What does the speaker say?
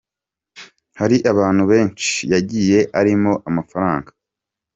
Hari abantu benshi yagiye arimo amafaranga.